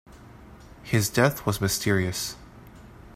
His death was mysterious.